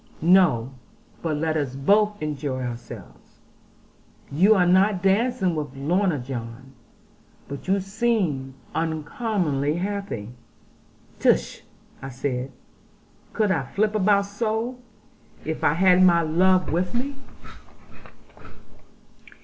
No, but let us both enjoy ourselves. You are not dancing with Lorna, John. But you seem uncommonly happy.' 'Tush,' I said; 'could I flip about so, if I had my love with me?'